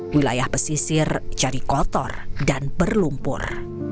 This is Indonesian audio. wilayah pesisir jadi kotor dan berlumpur